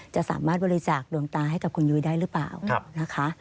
จะสามารถบริจาคดวงตาให้กับคุณยุ้ยได้หรือเปล่านะคะ